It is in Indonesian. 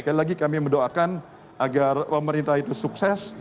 sekali lagi kami mendoakan agar pemerintah itu sukses